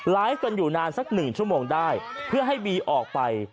ไลฟ์กันอยู่นานสักหนึ่งชั่วโมงได้เพื่อให้บีออกไป